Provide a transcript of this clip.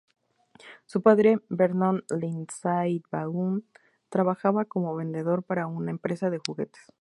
Su padre, Vernon Lindsay Vaughn, trabajaba como vendedor para una empresa de juguetes.